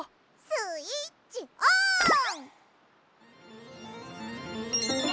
スイッチオン！